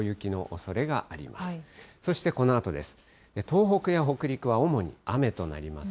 そしてこのあとです。